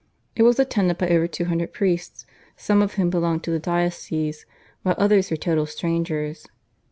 It was attended by over two hundred priests, some of whom belonged to the diocese, while others were total strangers.